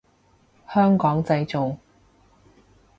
香港製造